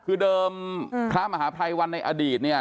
คือเดิมพระมหาภัยวันในอดีตเนี่ย